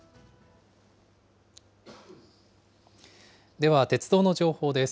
では、鉄道の情報です。